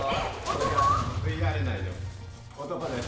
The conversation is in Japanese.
これがＶＲ内の男です。